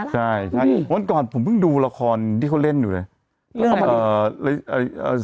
ใช่พันเกิดผมเพิ่งดูละครที่เขาเล่นอยู่เลยแล้วเพิ่งรำเขาออกไป